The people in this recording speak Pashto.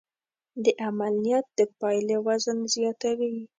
د عمل نیت د پایلې وزن زیاتوي.